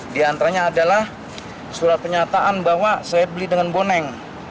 di antaranya adalah surat kenyataan bahwa saya beli dengan boneng